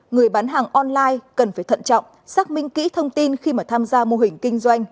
người bán hàng online cần phải thận trọng xác minh kỹ thông tin khi mà tham gia mô hình kinh doanh